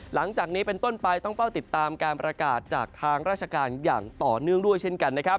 หลังจากนี้เป็นต้นไปต้องเฝ้าติดตามการประกาศจากทางราชการอย่างต่อเนื่องด้วยเช่นกันนะครับ